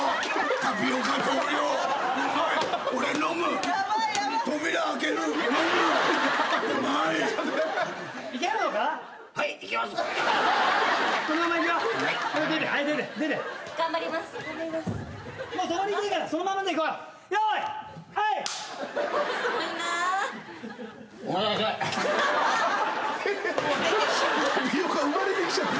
タピオカ生まれてきちゃった。